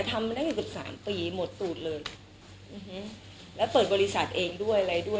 ทำมันได้กว่าสามปีหมดตูดเลยแล้วเปิดบริษัทเองด้วยอะไรด้วย